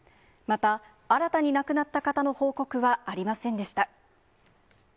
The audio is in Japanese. また、新たに亡くなった方の報告はありませんでした。